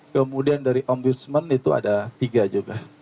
kemudian dari ombudsman itu ada tiga juga